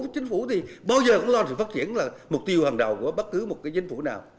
chính phủ thì bao giờ cũng lo sự phát triển là mục tiêu hàng đầu của bất cứ một cái chính phủ nào